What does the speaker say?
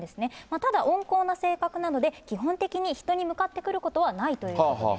ただ温厚な性格なので、基本的に人に向かってくることはないということです。